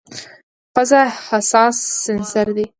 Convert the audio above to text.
پزه حساس سینسر دی.